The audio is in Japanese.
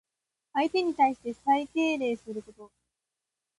相手に対して最敬礼すること。